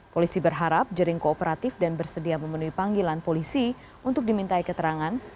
polisi berharap jering kooperatif dan bersedia memenuhi panggilan polisi untuk dimintai keterangan